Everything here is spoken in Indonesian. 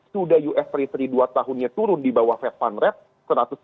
sudah us treasury dua tahunnya turun di bawah fed fund rate